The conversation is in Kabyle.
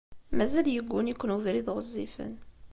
Mazal yegguni-ken ubrid ɣezzifen.